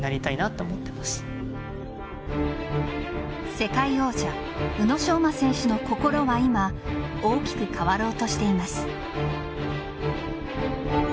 世界王者、宇野昌磨選手の心は今大きく変わろうとしています。